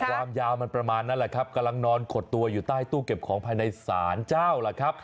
ความยาวมันประมาณนั้นแหละครับกำลังนอนขดตัวอยู่ใต้ตู้เก็บของภายในศาลเจ้าล่ะครับ